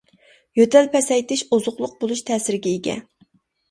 يۆتەل پەسەيتىش، ئوزۇقلۇق بولۇش تەسىرىگە ئىگە.